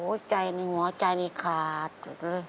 โอ้โฮใจหนึ่งเหรอใจหนึ่งขาดเลย